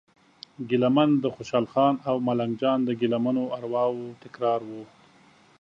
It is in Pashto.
ګیله من د خوشال خان او ملنګ جان د ګیله منو ارواوو تکرار و.